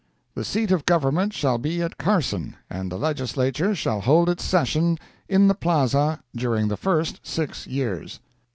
The seat of government shall be at Carson, and the Legislature shall hold its session in the plaza during the first six years."